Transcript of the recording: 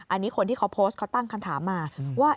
อันนี้คนที่เขาโพสต์เขาตั้งคำถามมาว่า